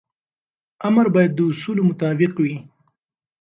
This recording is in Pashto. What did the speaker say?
امر باید د اصولو مطابق وي.